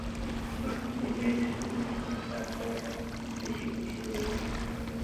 সবার মধ্যে রিয়াজের শুভেচ্ছাবার্তা পড়ে বেশি খুশি হয়েছি।